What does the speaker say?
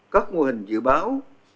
các mô hình dự báo